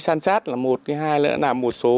san sát là một hai nữa là một số